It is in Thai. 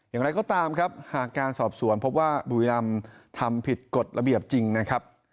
อย่างไรก็ตามครับหากการสอบสวนพบว่าบุรีรำทำผิดกฎระเบียบจริงนะครับ